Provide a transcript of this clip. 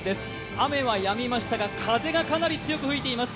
雨はやみましたが風がかなり強く吹いています。